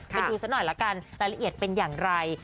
ไปดูซะหน่อยละกันรายละเอียดเป็นอย่างไร